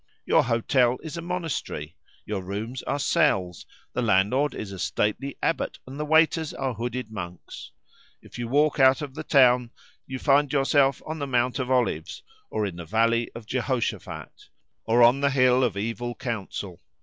Your hotel is a monastery, your rooms are cells, the landlord is a stately abbot, and the waiters are hooded monks. If you walk out of the town you find yourself on the Mount of Olives, or in the Valley of Jehoshaphat, or on the Hill of Evil Counsel.